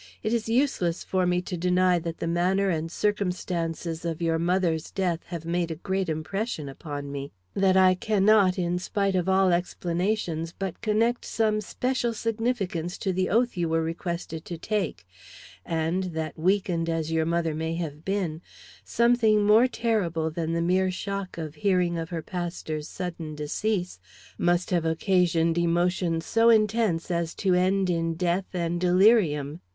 It is useless for me to deny that the manner and circumstances of your mother's death have made a great impression upon me; that I cannot, in spite of all explanations, but connect some special significance to the oath you were requested to take; and that, weakened as your mother may have been, something more terrible than the mere shock of hearing of her pastor's sudden decease must have occasioned emotions so intense as to end in death and delirium.